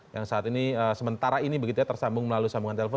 yang sementara ini begitu ya tersambung melalui sambungan telepon